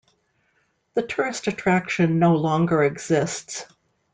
The tourist attraction no longer exists.